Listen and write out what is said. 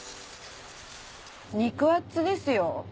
肉厚ですよ。